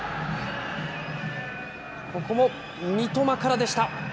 ここも三笘からでした。